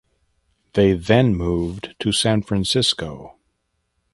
They then moved to San Francisco.